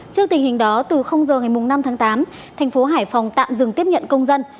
trước tình hình đó từ giờ ngày năm tháng tám thành phố hải phòng tạm dừng tiếp nhận công dân